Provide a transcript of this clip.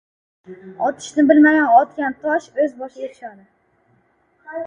• Otishni bilmagan otgan tosh o‘z boshiga tushadi.